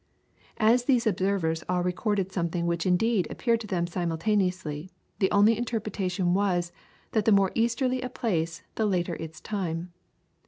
As these observers all recorded something which indeed appeared to them simultaneously, the only interpretation was, that the more easterly a place the later its time.